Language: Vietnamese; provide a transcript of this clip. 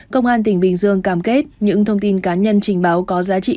công an tỉnh bình dương cam kết những thông tin cá nhân trình báo có giá trị